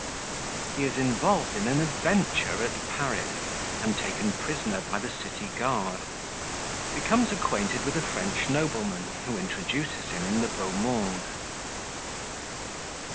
He is involved in an Adventure at Paris, and taken prisoner by the City Guard Becomes acquainted with a French Nobleman, who introduces him in the Beau Monde.